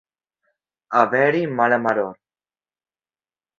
Haver-hi mala maror.